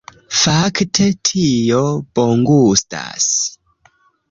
Fakte, tio bongustas